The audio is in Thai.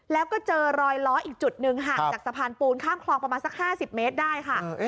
แล้วก็เจอรอยล้ออีกจุดหนึ่งห่างจากสะพานปูนข้ามคลองประมาณสัก๕๐เมตรได้ค่ะ